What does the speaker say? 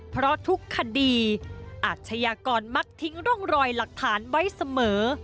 เพราะทุกคดีอาชญากรมักทิ้งร่องรอยหลักฐานไว้เสมอ